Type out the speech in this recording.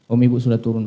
om ibu sudah turun